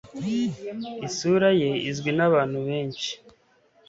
Isura ye izwi nabantu benshi